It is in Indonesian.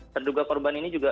terduga korban ini juga